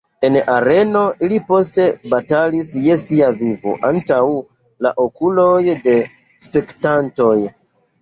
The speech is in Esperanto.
En areno ili poste batalis je sia vivo antaŭ la okuloj de spektantoj.